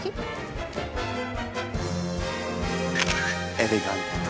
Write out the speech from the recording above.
エレガン唐。